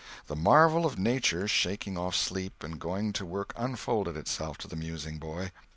The marvel of Nature shaking off sleep and going to work unfolded itself to the musing boy.